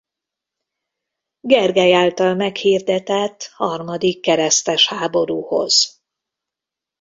Gergely által meghirdetett harmadik keresztes háborúhoz.